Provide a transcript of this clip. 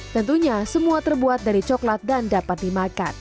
tentunya semua terbuat dari coklat dan dapat dimakan